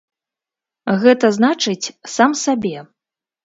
Гэта значыць, сам сабе.